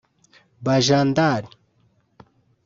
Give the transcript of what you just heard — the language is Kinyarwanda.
Bajandar